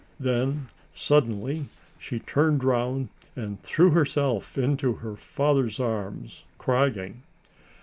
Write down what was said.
Then, suddenly, she turned round and threw herself into her father's arms, crying.